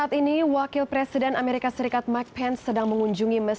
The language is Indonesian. jadi di nama presiden trump saya ingin mengucapkan